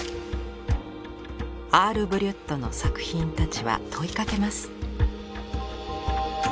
アール・ブリュットの作品たちは問いかけます。